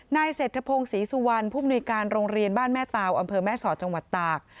นายเศรษฐพงศรีสุวรรณผู้มนุยการโรงเรียนบ้านแม่เตาอำเภอแม่สอดจังหวัดตาก